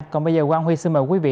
còn bây giờ quang huy xin mời quý vị